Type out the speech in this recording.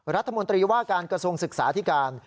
รัฐมนตรีว่าการกระทรวงศึกษาที่การ